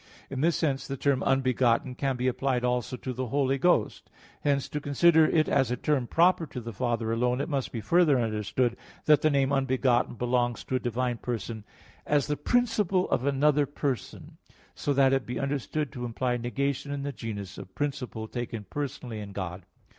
In this sense the term "unbegotten" can be applied also to the Holy Ghost. Hence to consider it as a term proper to the Father alone, it must be further understood that the name "unbegotten" belongs to a divine person as the principle of another person; so that it be understood to imply negation in the genus of principle taken personally in God.